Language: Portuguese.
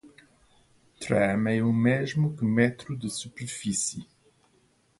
"Tram" é o mesmo que metro de superfície.